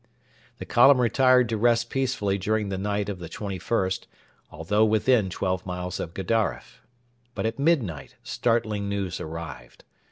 The column retired to rest peacefully during the night of the 21st, although within twelve miles of Gedaref. But at midnight startling news arrived.